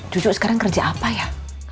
cucu sekarang kerja apa ya